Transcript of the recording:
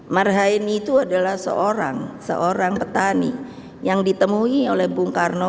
marhain itu adalah seorang petani yang ditemui oleh bung karno